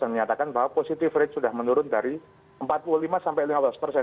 dan menyatakan bahwa positif rate sudah menurun dari empat puluh lima sampai lima belas persen